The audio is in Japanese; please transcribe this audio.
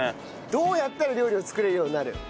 「どうやったら料理を作れるようになる」？